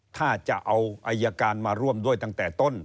ถ้าจะเอาอายการมาร่วมด้วยตั้งแต่ต้น